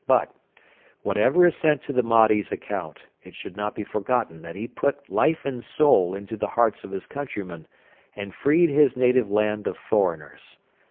But, whatever is set to the Mahdi's account, it should not be forgotten that he put life and soul into the hearts of his countrymen, and freed his native land of foreigners.